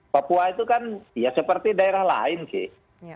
papua itu kan ya seperti daerah lain sih